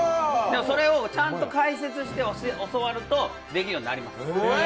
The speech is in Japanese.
それをちゃんと解説して教わると、できるようになります。